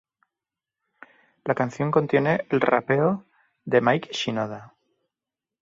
La canción contiene el rapeo de Mike Shinoda.